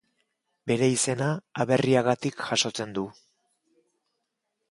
Bere izena Aberriagatik jasotzen du.